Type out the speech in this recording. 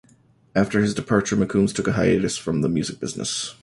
After his departure, McCombs took a hiatus from the music business.